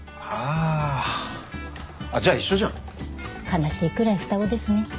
悲しいくらい双子ですね。